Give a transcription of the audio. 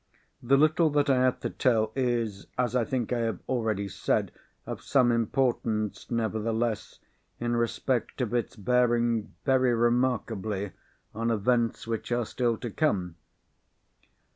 The little that I have to tell is (as I think I have already said) of some importance, nevertheless, in respect of its bearing very remarkably on events which are still to come.